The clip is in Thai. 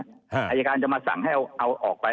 อายการจะมาสั่งให้เอาออกไป